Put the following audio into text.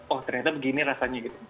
oh ternyata begini rasanya gitu